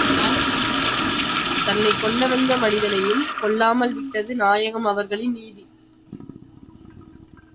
தன்னைக் கொல்ல வந்த மனிதனையும், கொல்லாமல் விட்டது நாயகம் அவர்களின் நீதி.